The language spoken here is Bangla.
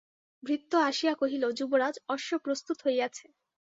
ভৃত্য আসিয়া কহিল, যুবরাজ, অশ্ব প্রস্তুত হইয়াছে।